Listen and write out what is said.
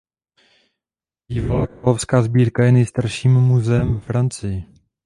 Bývalá královská sbírka je nejstarším muzeem ve Francii.